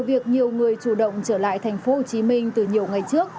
nhờ việc nhiều người chủ động trở lại thành phố hồ chí minh từ nhiều ngày trước